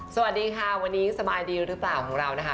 สวัสดีค่ะวันนี้สบายดีหรือเปล่าของเรานะคะ